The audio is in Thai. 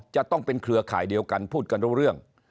จะต้องเป็นเครือข่ายเดียวกันพูดกันรู้เรื่อง